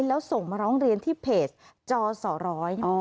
แล้วส่งมาร้องเรียนที่เพจจอสอร้อย